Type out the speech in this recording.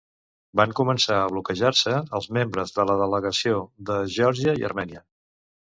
Van començar a bloquejar-se els membres de la delegació de Geòrgia i Armènia.